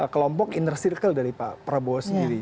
kelompok inner circle dari pak prabowo sendiri